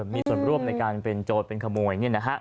มีส่วนร่วมในการเป็นโจทย์เป็นขโมย